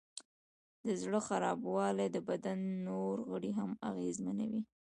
د زړه خرابوالی د بدن نور غړي هم اغېزمنوي.